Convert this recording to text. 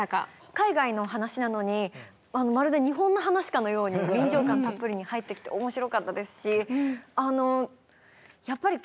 海外の話なのにまるで日本の話かのように臨場感たっぷりに入ってきて面白かったですし。